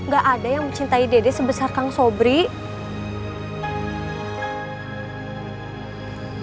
gak ada yang mencintai dede sebesar kang sobri